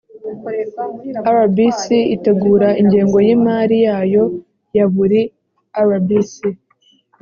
rbc itegura ingengo y imari yayo ya buri rbc